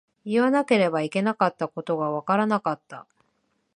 言わなければいけないことがわからなかった。